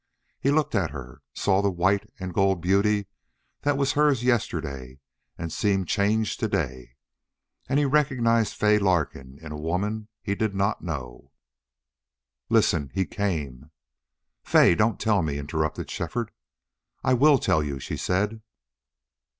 He looked at her, saw the white and gold beauty that was hers yesterday and seemed changed to day, and he recognized Fay Larkin in a woman he did not know. "Listen! He came " "Fay, don't tell me," interrupted Shefford. "I WILL tell you," she said.